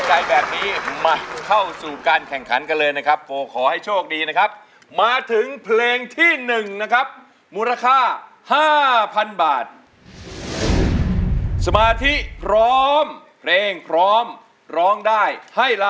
จังหลังบางจังรักมากรักมากรักมากรักมาก